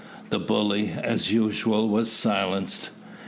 The bully, as usual, was silenced.